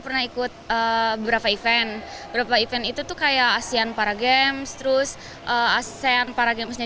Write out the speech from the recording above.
pernah ikut beberapa event beberapa event itu tuh kayak asian para games terus asian para gamesnya